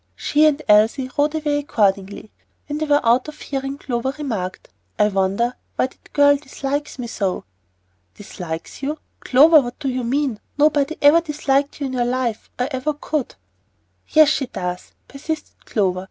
She and Elsie rode away accordingly. When they were out of hearing, Clover remarked, "I wonder why that girl dislikes me so." "Dislikes you! Clover, what do you mean? Nobody ever disliked you in your life, or ever could." "Yes, she does," persisted Clover.